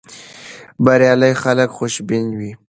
بریالي خلک خوشبین وي.